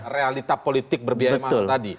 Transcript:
realita politik berbiaya mahal tadi